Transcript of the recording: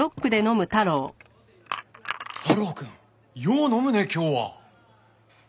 太郎くんよう飲むね今日は。